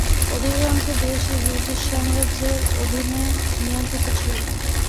অধিকাংশ দেশই ব্রিটিশ সাম্রাজ্যের অধীনে নিয়ন্ত্রিত ছিল।